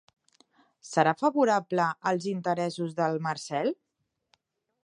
¿Serà favorable als interessos del Marcel?